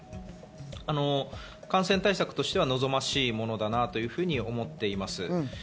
感染対策としては望ましいものだなというふうに思っています。